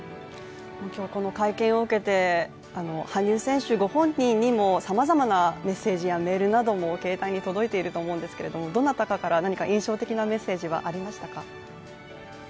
今日この会見を受けて羽生選手ご本人にもさまざまなメッセージやメールなども携帯に届いていると思うんですけれどもどなたかから印象的なメッセージはありましたか？